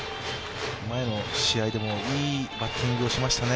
前の試合でも、いいバッティングをしましたね。